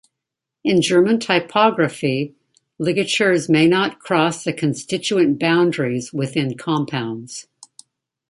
In German typography, ligatures may not cross the constituent boundaries within compounds.